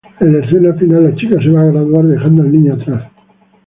En la escena final la chica se va a graduar dejando al niño atrás.